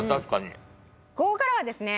ここからはですね